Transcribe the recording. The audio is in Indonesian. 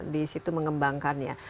di situ mengembangkannya